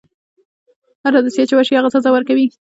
هره دوسیه چې ورشي هغه سزا ورکوي.